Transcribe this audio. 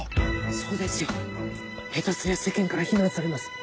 そうですよ下手すりゃ世間から非難されます。